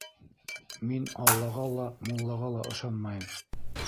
Мин аллаға ла, муллаға ла ышанмайым.